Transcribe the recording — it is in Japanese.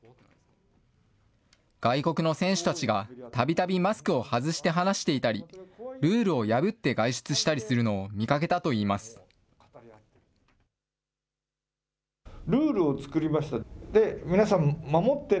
外国の選手たちがたびたびマスクを外して話していたり、ルールを破って外出したりするのを見かけたといいます。